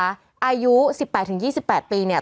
อายุ๑๘๒๘ปีเนี่ย